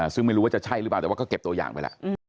ซึ่งไม่รู้ว่าจะใช่หรือเปล่าแต่ว่าก็เก็บตัวอย่างไปแล้ว